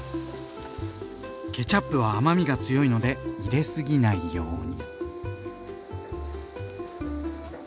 ケチャップは甘みが強いので入れすぎないように。